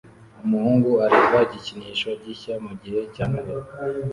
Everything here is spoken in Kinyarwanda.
Umuhungu areba igikinisho gishya mugihe cya Noheri